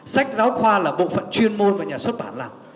sách giáo khoa là bộ phận chuyên môn và nhà xuất bản làm